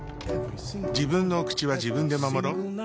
自分のお口は自分で守ろっ。